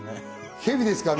ヘビですね。